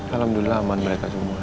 alhamdulillah aman mereka semua